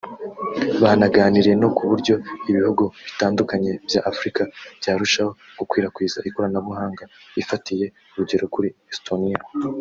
banaganiye no ku buryo ibihugu bitandukanye bya Afurika byarushaho gukwirakwiza ikoranabuhanga bifatiye urugero kuri Estonia